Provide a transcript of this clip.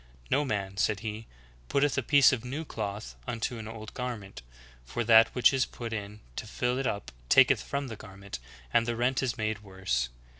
"No man," said He, "putteth a piece of new cloth unto an old garment, for that which is put in to fill it up taketh from the garment, and the rent is made worse.